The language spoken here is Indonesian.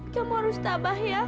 kamu harus tabah ya